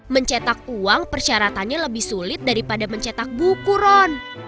mencetak uang persyaratannya lebih sulit daripada mencetak buku ron